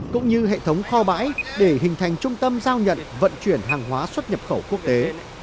cũng như hệ thống kho bãi để hình thành trung tâm giao nhận vận chuyển hàng hóa xuất nhập khẩu quốc tế